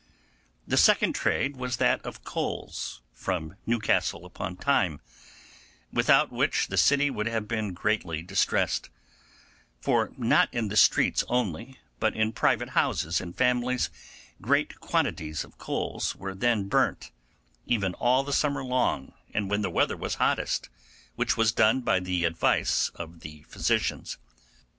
The second trade was that of coals from Newcastle upon Tyne, without which the city would have been greatly distressed; for not in the streets only, but in private houses and families, great quantities of coals were then burnt, even all the summer long and when the weather was hottest, which was done by the advice of the physicians.